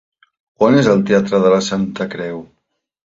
On és el teatre de la Santa Creu?